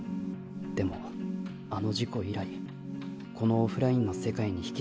でもあの事故以来このオフラインの世界に引きずり戻された